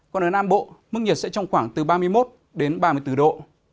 còn ở nam bộ mức nhiệt sẽ trong khoảng từ ba mươi một đến ba mươi bốn độ